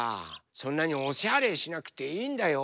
そんなにおしゃれしなくていいんだよ。